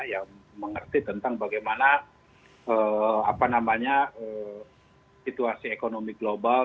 yang mengerti tentang bagaimana situasi ekonomi global